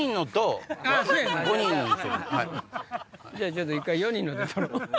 ちょっと一回４人ので撮ろう。